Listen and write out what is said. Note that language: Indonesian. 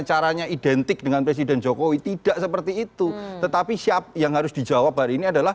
caranya identik dengan presiden jokowi tidak seperti itu tetapi siap yang harus dijawab hari ini adalah